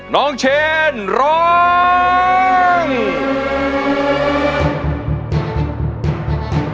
น้องเชนร้อง